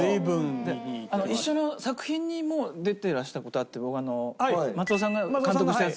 一緒の作品にも出てらした事あって松尾さんが監督したやつ。